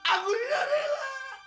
aku tidak rela